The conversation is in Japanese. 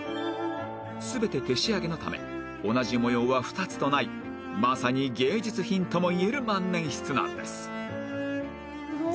全て手仕上げのため同じ模様は二つとないまさに芸術品ともいえる万年筆なんです